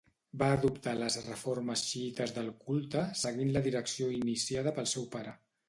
Va adoptar les reformes xiïtes del culte seguint la direcció iniciada pel seu pare.